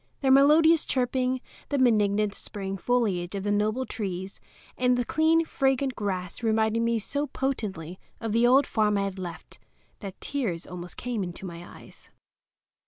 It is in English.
Their melodious chirping, the benignant spring foliage of the noble trees and the clean, fragrant grass reminded me so potently of the old farm I had left that tears almost came into my eyes.